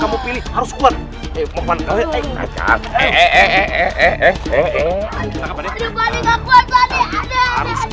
kamu harus kuat permanen